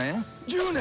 １０年？